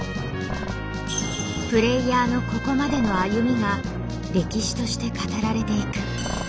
プレイヤーのここまでの歩みが歴史として語られていく。